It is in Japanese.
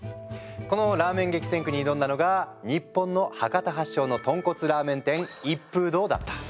このラーメン激戦区に挑んだのが日本の博多発祥の豚骨ラーメン店「一風堂」だった。